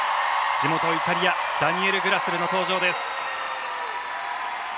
地元イタリアダニエル・グラスルの登場です。